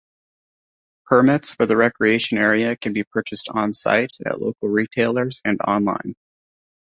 Permits for the Recreation Area can be purchased on-site, at local retailers and online.